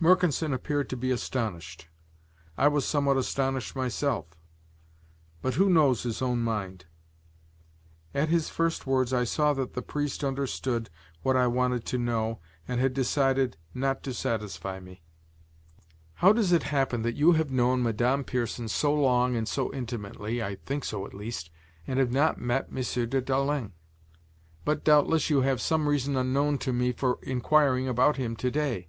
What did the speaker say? Mercanson appeared to be astonished. I was somewhat astonished myself; but who knows his own mind? At his first words, I saw that the priest understood what I wanted to know and had decided not to satisfy me. "How does it happen that you have known Madame Pierson so long and so intimately, I think so, at least, and have not met M. de Dalens? But, doubtless, you have some reason unknown to me for inquiring about him to day.